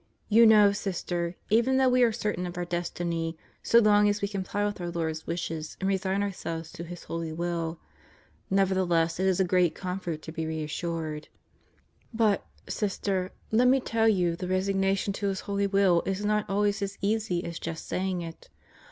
You know. Sister, even though we are certain of our destiny so long as we comply with our Lord's wishes and resign ourselves to His holy will, nevertheless it is a great comfort to be reassured. But, Sister, let me tell you the resignation to His holy will is not always as easy as just saying it.